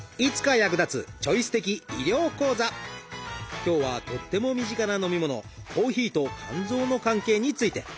今日はとっても身近な飲み物コーヒーと肝臓の関係について。